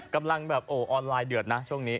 กำลังแบบโอ้ออนไลน์เดือดนะช่วงนี้